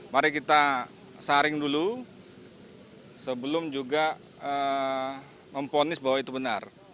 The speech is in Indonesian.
mari kita saring dulu sebelum juga memponis bahwa itu benar